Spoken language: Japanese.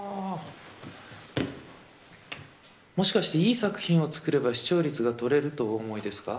もしかしていい作品を作れば視聴率がとれるとお思いですか？